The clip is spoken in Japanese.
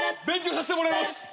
勉強させてもらいます。